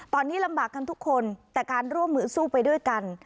ตอนนี้ลำบากกันทุกคนแต่การร่วมมือสู้ไปด้วยกัน